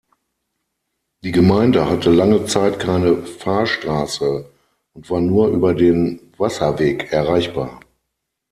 Die Gemeinde hatte lange Zeit keine Fahrstrasse und war nur über den Wasserweg erreichbar.